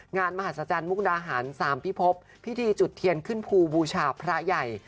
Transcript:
มหาศจรรย์มุกดาหาร๓พิพบพิธีจุดเทียนขึ้นภูบูชาพระใหญ่